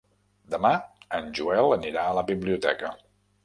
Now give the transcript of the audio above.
Demà en Joel anirà a la biblioteca.